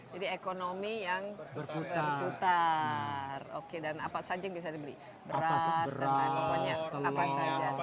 jadi ekonomi yang berputar dan apa saja yang bisa dibeli beras telur apa saja